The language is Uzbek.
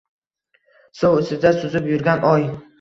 Suv ustida suzib yurgan oy.